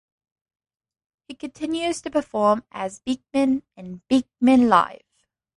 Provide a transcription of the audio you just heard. He continues to perform as Beakman in Beakman Live!